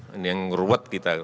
ini yang ngeruat kita